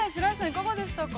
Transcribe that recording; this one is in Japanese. いかがでしたか。